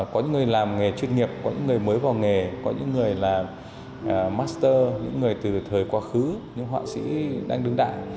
có những người làm nghề chuyên nghiệp có những người mới vào nghề có những người là master những người từ thời quá khứ những họa sĩ đang đứng đại